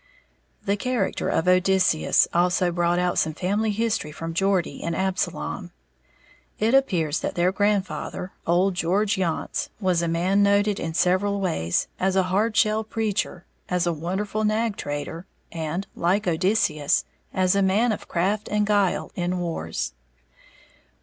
The character of Odysseus also brought out some family history from Geordie and Absalom. It appears that their grandfather, Old George Yonts, was a man noted in several ways, as a hard shell preacher, as a wonderful nag trader, and, like Odysseus, as a man of craft and guile in wars.